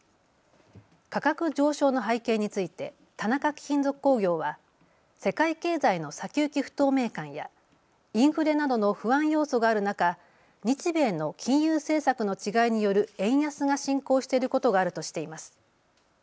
価格上昇の背景について田中貴金属工業は世界経済の先行き不透明感やインフレなどの不安要素がある中、日米の金融政策の違いによる円安が進行していることがあるとしています。